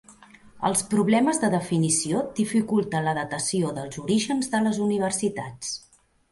Els problemes de definició dificulten la datació dels orígens de les universitats.